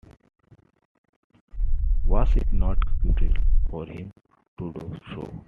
Was it not cruel for him to do so?